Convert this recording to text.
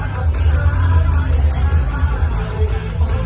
มันเป็นเมื่อไหร่แล้ว